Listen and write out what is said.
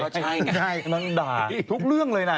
ใช่นางด่าทุกเรื่องเลยนะ